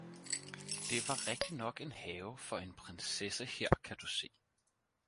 Det var rigtignok en have for en prinsesseher kan du se